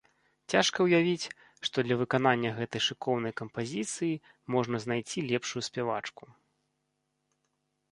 Цяжка ўявіць, што для выканання гэтай шыкоўнай кампазіцыі можна знайсці лепшую спявачку.